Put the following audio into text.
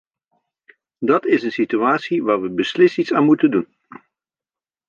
Dat is een situatie waar we beslist iets aan moeten doen.